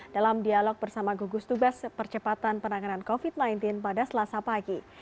dalam dialog bersama gugus tugas percepatan penanganan covid sembilan belas pada selasa pagi